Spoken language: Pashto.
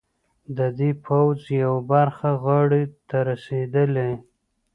د دې پوځ یوه برخه غاړې ته رسېدلي.